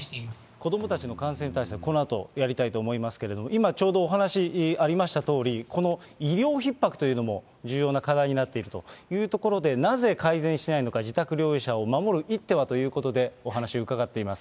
子どもたちの感染対策、このあとやりたいと思いますけれども、今、ちょうどお話ありましたとおり、この医療ひっ迫というのも重要な課題になっているというところで、なぜ改善しないのか、自宅療養者を守る一手はということで、お話伺っています。